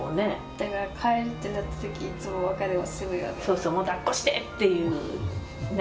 だから帰るってなったときいそうそう、もうだっこしてっていう、ね。